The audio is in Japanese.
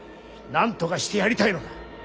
なんとかしてやりたいのだ。